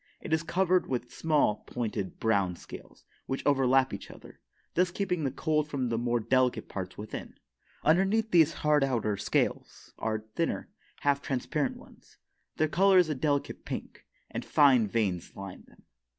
It is covered with small, pointed, brown scales, which overlap each other, thus keeping the cold from the more delicate parts within. Underneath these hard outer scales are thinner, half transparent ones. Their color is a delicate pink, and fine veins line them.